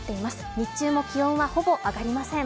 日中も気温はほぼ上がりません。